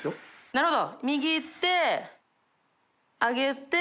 なるほど。